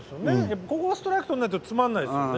ここをストライクとんないとつまんないですよね。